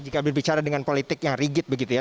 jika berbicara dengan politik yang rigid begitu ya